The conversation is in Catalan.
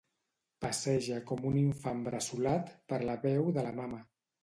Passeja com un infant bressolat per la veu de la mama.